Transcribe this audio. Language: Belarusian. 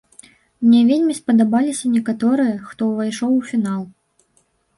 Мне вельмі спадабаліся некаторыя, хто ўвайшоў у фінал.